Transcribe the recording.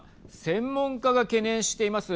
専門家が懸念しています